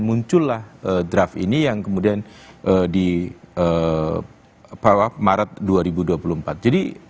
muncullah draft ini yang kemudian di maret dua ribu dua puluh empat jadi